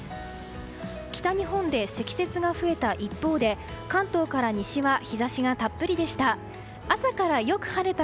北日本で積雪が増えた一方で関東から西は日差しがたっぷりでした。